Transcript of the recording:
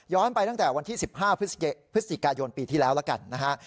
ไปตั้งแต่วันที่๑๕พฤศจิกายนปีที่แล้วแล้วกันนะฮะ